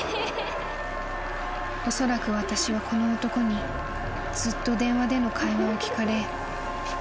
［おそらく私はこの男にずっと電話での会話を聞かれ］